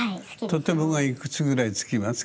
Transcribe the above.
とてもがいくつぐらいつきますか？